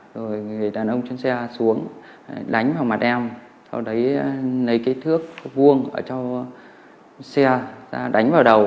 rồi đàn ông trên xe xuống đánh vào mặt em sau đấy lấy cái thước vuông cho xe ra đánh vào đầu